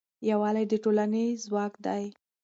یووالی د ټولنې ځواک دی.